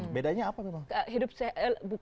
bedanya apa memang